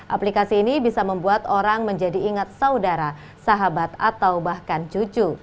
aplikasi ini bisa membuat orang menjadi ingat saudara sahabat atau bahkan cucu